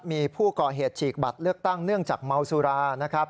มีผู้ก่อเหตุฉีกบัตรเลือกตั้งเนื่องจากเมาสุรานะครับ